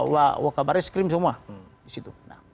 wakabaris krim semua di situ